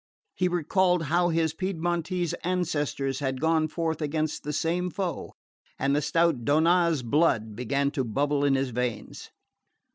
He recalled how his Piedmontese ancestors had gone forth against the same foe, and the stout Donnaz blood began to bubble in his veins.